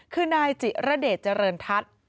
คือนายจิระเดชเจริญทัศน์